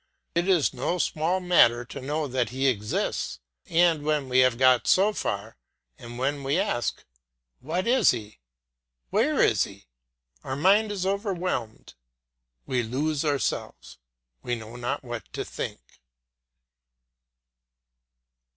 It is no small matter to know that he exists, and when we have got so far, and when we ask. What is he? Where is he? our mind is overwhelmed, we lose ourselves, we know not what to think.